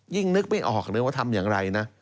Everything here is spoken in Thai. นึกไม่ออกเลยว่าทำอย่างไรนะ